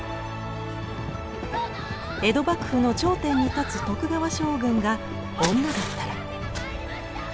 江戸幕府の頂点に立つ徳川将軍が女だったら。